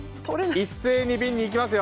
一斉に瓶にいきますよ！